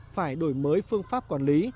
phải đổi mới phương pháp quản lý